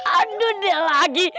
aduh dia lagi